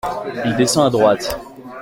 Il descend à droite.